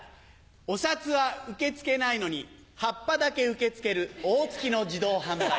お札は受け付けないのに葉っぱだけ受け付ける大月の自動販売機。